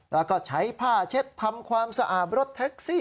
แล้วก็ใช้ผ้าเช็ดทำความสะอาดรถแท็กซี่